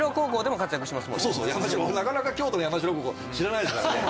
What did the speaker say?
なかなか京都の山城高校知らないからね。